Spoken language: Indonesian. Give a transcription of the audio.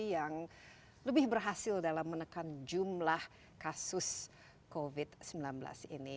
yang lebih berhasil dalam menekan jumlah kasus covid sembilan belas ini